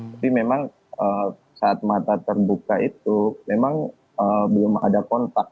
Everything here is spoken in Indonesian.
tapi memang saat mata terbuka itu memang belum ada kontak